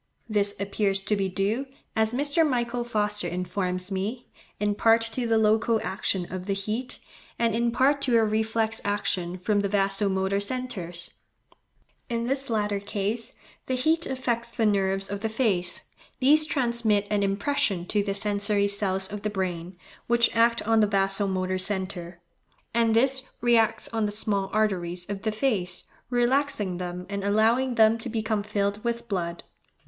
This appears to be due, as Mr. Michael Foster informs me, in part to the local action of the heat, and in part to a reflex action from the vaso motor centres. In this latter case, the heat affects the nerves of the face; these transmit an impression to the sensory cells of the brain, which act on the vaso motor centre, and this reacts on the small arteries of the face, relaxing them and allowing them to become filled with blood.